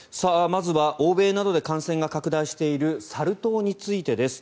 まずは欧米などで感染が拡大しているサル痘についてです。